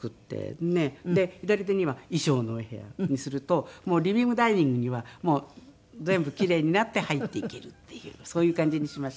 左手には衣装のお部屋にするともうリビング・ダイニングにはもう全部キレイになって入っていけるっていうそういう感じにしました。